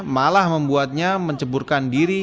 malah membuatnya menceburkan diri